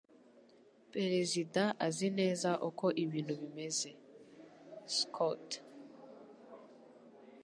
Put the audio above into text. Perezida azi neza uko ibintu bimeze. (Scott)